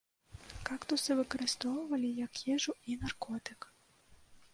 Кактусы выкарыстоўвалі як ежу і наркотык.